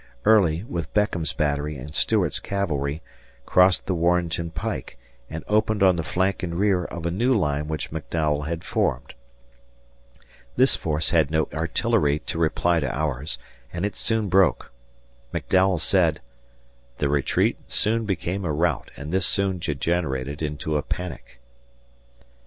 Early, with Beckham's battery and Stuart's cavalry, crossed the Warrenton pike and opened on the flank and rear of a new line which McDowell had formed. This force had no artillery to reply to ours, and it soon broke. McDowell said "The retreat soon became a rout and this soon degenerated into a panic."